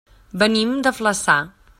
Venim de Flaçà.